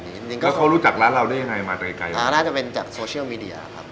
จริงแล้วเขารู้จักร้านเราได้ยังไงมาไกลไกลอ่าน่าจะเป็นจากโซเชียลมีเดียครับ